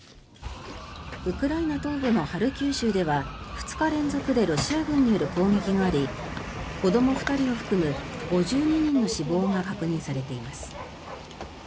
ウクライナ東部のハルキウ州では２日連続でロシア軍による攻撃があり子ども２人を含む５２人の死亡が確認されています。